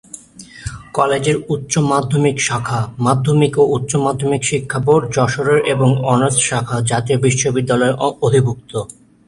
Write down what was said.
কলেজের উচ্চমাধ্যমিক শাখা মাধ্যমিক ও উচ্চমাধ্যমিক শিক্ষা বোর্ড যশোরের এবং অনার্স শাখা জাতীয় বিশ্ববিদ্যালয়ের অধিভুক্ত।